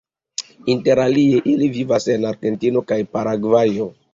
Inter alie ili vivas en Argentino kaj Paragvajo.